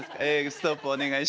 「ストップ」お願いします。